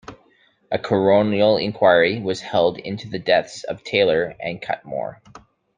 A coronial inquiry was held into the deaths of Taylor and Cutmore.